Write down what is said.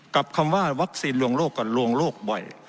กับคำว่าวัคซีนลวงโลกก็ลวงโลกบ่อย